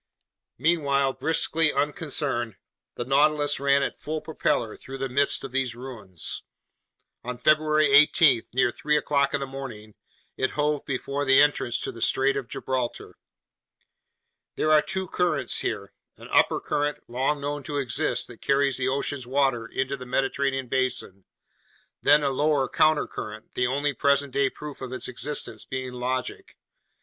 Meanwhile, briskly unconcerned, the Nautilus ran at full propeller through the midst of these ruins. On February 18, near three o'clock in the morning, it hove before the entrance to the Strait of Gibraltar. There are two currents here: an upper current, long known to exist, that carries the ocean's waters into the Mediterranean basin; then a lower countercurrent, the only present day proof of its existence being logic.